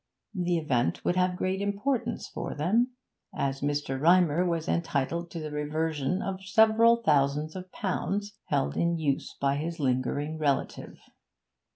The event would have great importance for them, as Mr. Rymer was entitled to the reversion of several thousands of pounds, held in use by his lingering relative.